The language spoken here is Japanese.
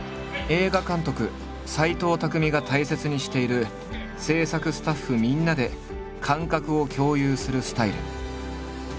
映画監督・斎藤工が大切にしている制作スタッフみんなで感覚を共有するスタイル。